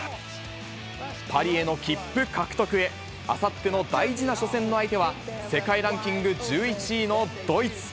パリへの切符獲得へ、あさっての大事な初戦の相手は、世界ランキング１１位のドイツ。